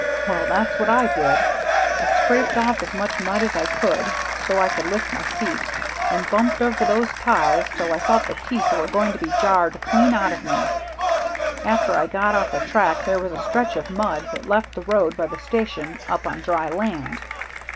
Well, that's what I did. I scraped off as much mud as I could, so I could lift my feet, and bumped over those ties till I thought the teeth were going to be jarred clean out of me. After I got off the track there was a stretch of mud that left the road by the station up on dry land.